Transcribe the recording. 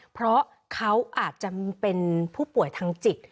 เพราะเขาอาจจะเป็นผู้ป่วยทางจิต